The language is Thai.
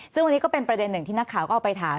ซึ่งวันนี้ก็เป็นประเด็นหนึ่งที่นักข่าวก็เอาไปถาม